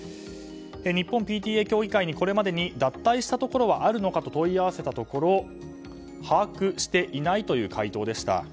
日本ＰＴＡ協議会にこれまで脱退したところはあるのかと問い合わせたところ把握していないという回答でした。